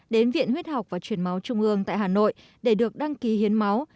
đến viện huyết học và truyền máu trung ương tại hà nội để được đăng ký hiến máu